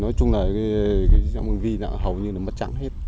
nói chung là cái vi là hầu như nó mất trắng hết